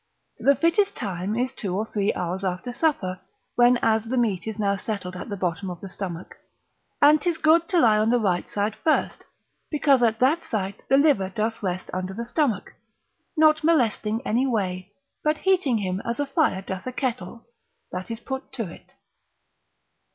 The fittest time is two or three hours after supper, when as the meat is now settled at the bottom of the stomach, and 'tis good to lie on the right side first, because at that site the liver doth rest under the stomach, not molesting any way, but heating him as a fire doth a kettle, that is put to it.